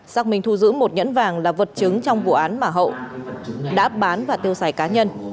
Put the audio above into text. xác minh thu giữ một nhẫn vàng là vật chứng trong vụ án mà hậu đã bán và tiêu xài cá nhân